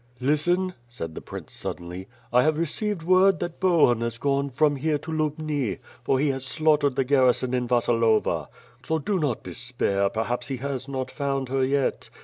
"Listen," said the prince suddenly, "I have received word that Bohun has gone from here to Lubni, for he has slaught ere<l the garrison in Vasilova; so do not despair; perhaps he has not found her yet.